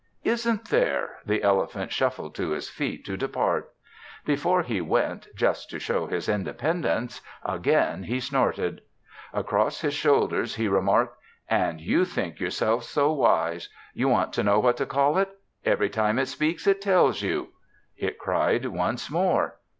"Isn't there?" The elephant shuffled to his feet to depart. Before he went, just to show his independence, again he snorted. Across his shoulder he remarked. "And you think yourself so wise! You want to know what to call it. Every time it speaks it tells you." It cried once more.